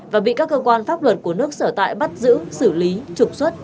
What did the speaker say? và bị các cơ quan pháp luật của nước sở tại bắt giữ xử lý trục xuất